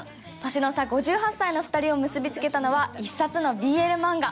年の差５８歳の２人を結び付けたのは１冊のＢＬ漫画。